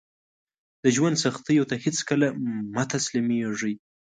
د ژوند سختیو ته هیڅکله مه تسلیمیږئ